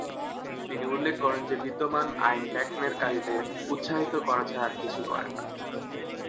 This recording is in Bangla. তিনি উল্লেখ করেন যে বিদ্যমান আইন ব্ল্যাকমেলকারীদের উৎসাহিত করা ছাড়া আর কিছুই করে না।